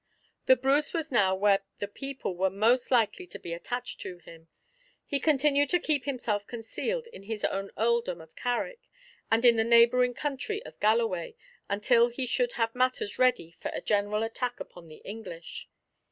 The Bruce was now where the people were most likely to be attached to him. He continued to keep himself concealed in his own earldom of Carrick, and in the neighboring country of Galloway, until he should have matters ready for a general attack upon the English.